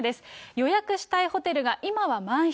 予約したいホテルが今は満室。